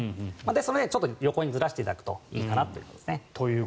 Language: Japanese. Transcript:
それでちょっと横にずらしていただくといいかなという感じますね。